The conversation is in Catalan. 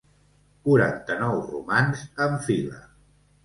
Quaranta-nou romans en fila.